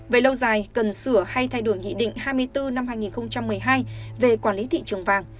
về lâu dài cần sửa hay thay đổi nghị định hai mươi bốn năm hai nghìn một mươi hai về quản lý thị trường vàng